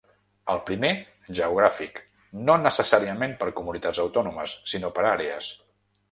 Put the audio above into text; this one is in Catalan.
El primer, geogràfic: no necessàriament per comunitats autònomes, sinó per àrees.